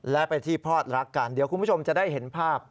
และเป็นที่พลอดรักกันเดี๋ยวคุณผู้ชมจะได้เห็นภาพ